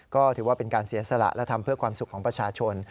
ก็ถือว่าเป็นการเสียสละและทำเพื่อความสุขของประชาชน